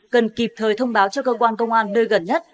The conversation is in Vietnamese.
cần kịp thời thông báo cho cơ quan công an nơi gần nhất